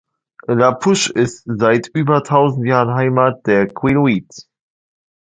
La Push ist seit über tausend Jahren Heimat der Quileute.